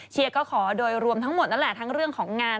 เชียร์ก็ขอโดยรวมทั้งหมดนั่นแหละทั้งเรื่องของงาน